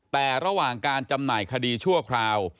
แต่ระหว่างการจำหน่ายคดีชั่วคราว